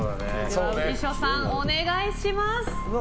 浮所さん、お願いします。